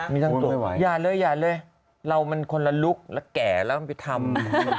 พี่หนุ่มสักหน่อยเลยฮะอย่าเลยเรามันคนละลุกแล้วแก่แล้วต้องไปทำ